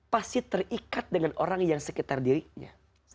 pasti terikat dengan orang yang sekitar dirinya